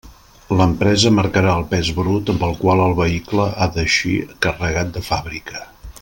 L'empresa marcarà el pes brut amb el qual el vehicle ha d'eixir carregat de fàbrica.